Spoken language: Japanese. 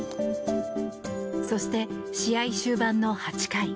そして、試合終盤の８回。